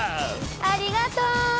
ありがとう！